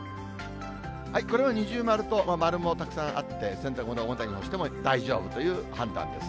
これは二重丸と丸もたくさんあって、洗濯物、表に干しても大丈夫という判断です。